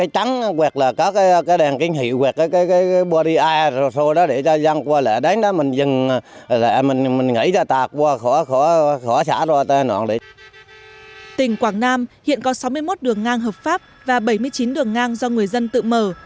tỉnh quảng nam hiện có sáu mươi một đường ngang hợp pháp và bảy mươi chín đường ngang do người dân tự mở